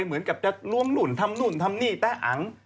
เหมือนกับจะล้วงหลุ่นทำนู่นทำนี่แต่อัง